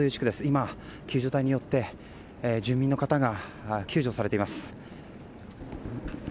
今、救助隊によって住民の方が救助されています。